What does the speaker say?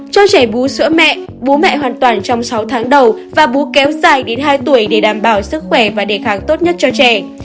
cho trẻ bú sữa mẹ bố mẹ hoàn toàn trong sáu tháng đầu và bố kéo dài đến hai tuổi để đảm bảo sức khỏe và đề kháng tốt nhất cho trẻ